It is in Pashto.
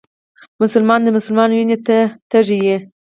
مسلمان د مسلمان وينو ته تږی